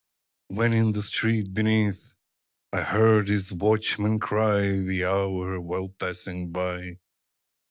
When in the street beneath I heard his watchman cry The hour, while passing by.